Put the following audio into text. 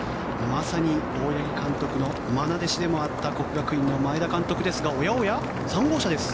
まさに大八木監督のまな弟子でもあった國學院の前田監督ですがおやおや、３号車です。